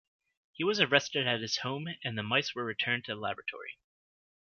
He was arrested at his home and the mice were returned to the laboratory.